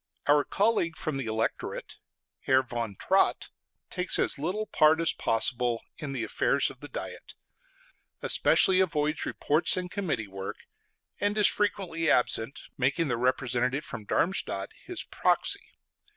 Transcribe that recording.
Our colleague from the Electorate, Herr von Trott, takes as little part as possible in the affairs of the Diet; especially avoids reports and committee work; and is frequently absent, making the representative from Darmstadt his proxy.